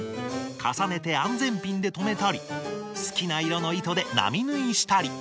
重ねて安全ピンで留めたり好きな色の糸で並縫いしたり。